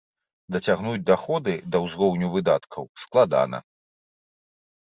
Дацягнуць даходы да узроўню выдаткаў складана.